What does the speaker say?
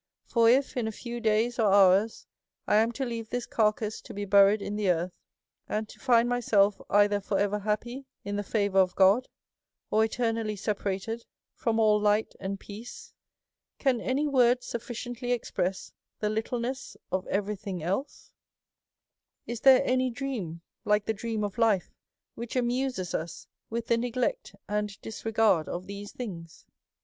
For if, in a few days or hours, I am to leave this carcase to be buried in the earth, and to find my self either for ever happy in the favour of God, or eternally separated from all light and peace, can any words sufficiently express the littleness of every thing else /" Is there any dream like the dream of life, which \ amuses us with the neg lect and disregard of these things?